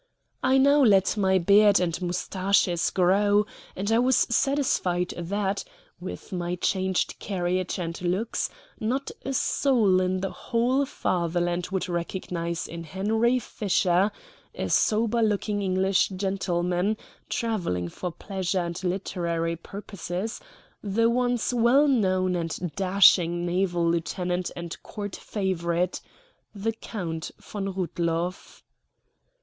I now let my beard and mustaches grow; and I was satisfied that, with my changed carriage and looks, not a soul in the whole fatherland would recognize in Henry Fisher, a sober looking English gentleman, travelling for pleasure and literary purposes, the once well known and dashing naval lieutenant and Court favorite, the Count von Rudloff.